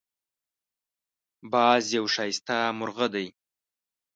باز یو ښایسته مرغه دی